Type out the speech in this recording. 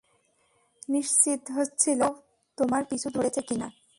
নিশ্চিত হচ্ছিলাম কেউ তোমার পিছু ধরেছে কিনা।